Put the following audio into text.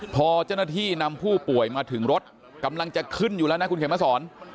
พอเจ้าหน้าที่นำผู้ป่วยมาถึงรถกำลังจะขึ้นอยู่แล้วนะคุณเขียนมาสอน